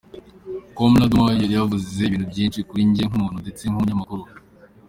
"Komla Dumor yari avuze ibintu byinshi kuri jye nk'umuntu ndetse nk'umunyamakuru.